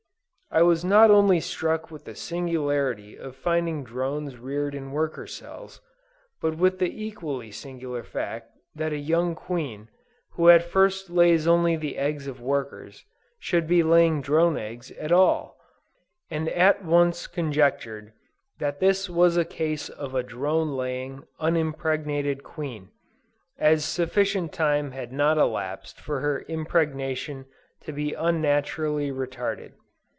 I was not only struck with the singularity of finding drones reared in worker cells, but with the equally singular fact that a young Queen, who at first lays only the eggs of workers, should be laying drone eggs at all; and at once conjectured that this was a case of a drone laying, unimpregnated Queen, as sufficient time had not elapsed for her impregnation to be unnaturally retarded.